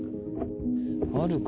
あるか？